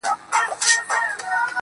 o ما وېل سفر کومه ځمه او بیا نه راځمه.